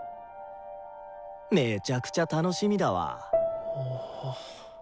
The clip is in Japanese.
めちゃくちゃ楽しみだわ。